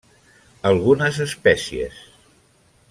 Algunes espècies.